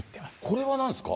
これはなんですか？